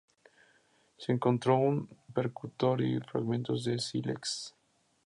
Se encontró un percutor y fragmentos de sílex.